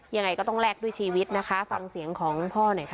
ยังไงก็ต้องแลกด้วยชีวิตนะคะฟังเสียงของพ่อหน่อยค่ะ